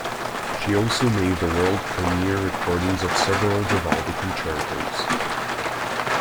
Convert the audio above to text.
She also made the world premiere recordings of several Vivaldi concertos.